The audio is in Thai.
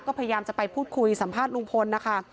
ก็พยายามจะไปพูดคุยสัมภาษณ์ลุงพลนะคะ